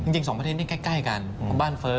จริงสองประเทศนี้ใกล้กัน